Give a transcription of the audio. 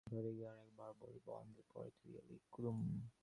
ঘরে গিয়া আর একবার বলিল, অ্যাঁন্দিন পরে তুই এলি কুমুদ?